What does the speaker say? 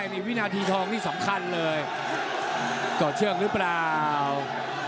มีวินาทีทองที่สำคัญเลยกรอบเชื่อมหรือป่าว